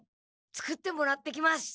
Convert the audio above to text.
作ってもらってきます。